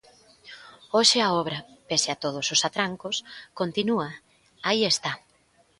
Hoxe a obra –pese a todos os atrancos– continúa, aí está.